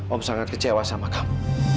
om sangat kecewa sama kamu